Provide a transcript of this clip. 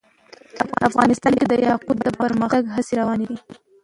افغانستان کې د یاقوت د پرمختګ هڅې روانې دي.